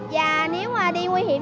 và nếu mà đi nguy hiểm